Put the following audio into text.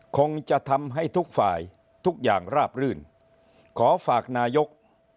คงจะทำให้ทุกฝ่ายทุกอย่างราบรื่นขอฝากนายก